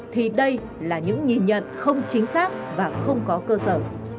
thì đây là những nhìn nhận không chính xác và không có cơ sở